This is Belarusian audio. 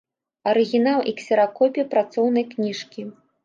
Арыгінал і ксеракопія працоўнай кніжкі.